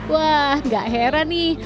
wah gak heran nih